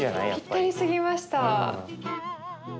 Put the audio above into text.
ぴったりすぎました。